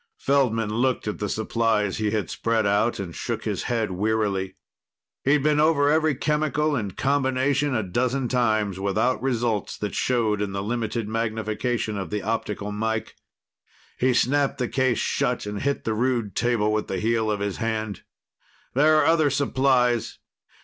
Feldman looked at the supplies he had spread out, and shook his head wearily. He'd been over every chemical and combination a dozen times, without results that showed in the limited magnification of the optical mike. He snapped the case shut and hit the rude table with the heel of his hand. "There are other supplies.